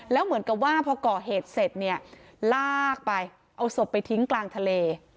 แล้วเหมือนกับว่าพอก่อเหตุเสร็จเนี่ยลากไปเอาศพไปทิ้งกลางทะเล